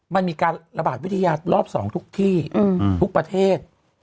มันมีการระบาดวิทยารอบ๒ทุกที่ทุกประเทศ